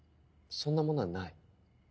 そんなものはない。